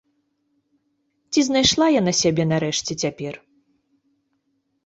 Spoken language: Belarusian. Ці знайшла яна сябе, нарэшце, цяпер?